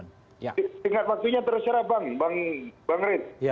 tingkat waktunya terserah bang red